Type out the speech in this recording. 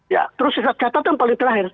ya terus catatan paling terakhir